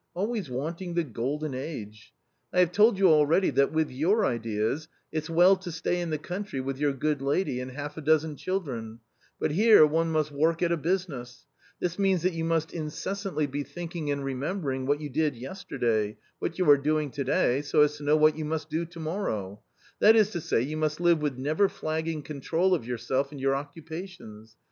Always wanting the golden age ! I have told you already that with your ideas it's well to stay in the country with your good lady and half a dozen children, but here one must work at a business ; this means that you must incessantly be thinking and remembering what you did yesterday, what you are doing to day, so as to know what you must do to morrow — that is to say, you must live with never flagging control of yourself and your occupations.